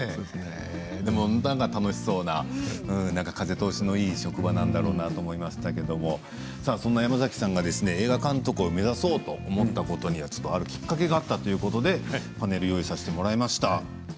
楽しそうな風通しのいい職場なんだなと思いましたけれどもそんな山崎さんが映画監督を目指そうと思ったことにはきっかけがあったということでパネルを用意させていただきました。